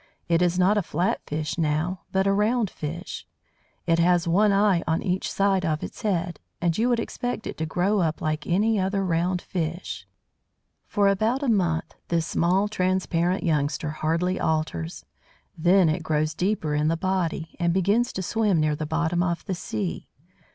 It is not a flat fish now, but a "round" fish. It has one eye on each side of its head, and you would expect it to grow up like any other round fish. For about a month this small, transparent youngster hardly alters. Then it grows deeper in the body, and begins to swim near the bottom of the sea.